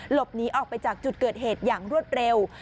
หลบหนีออกไปจากจุดเกิดเหตุอย่างรวดเร็ว